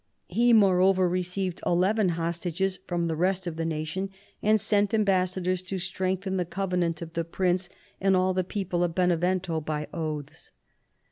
He, moreover, received eleven hostages from the rest of the nation, and sent am bassadors to strengthen the covenant of the prince and all the people of Benevento by oaths."